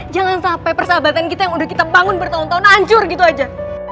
jangan sampai persahabatan kita yang udah kita bangun bertahun tahun hancur gitu aja